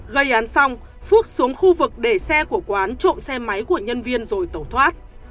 gây án xong phước xuống khu vực để xe của quán trộm xe máy của nhân viên rồi tẩu thoát